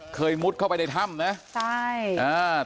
เคยมุดเข้าไปในถ้ำเนี่ยใช่